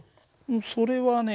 それはね